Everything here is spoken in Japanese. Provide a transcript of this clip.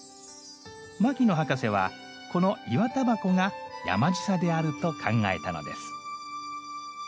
牧野博士はこのイワタバコが「山ぢさ」であると考えたのです。